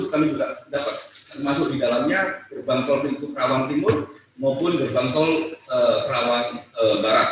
kami juga dapat termasuk di dalamnya gerbang tol pintu rawang timur maupun gerbang tol rawang barat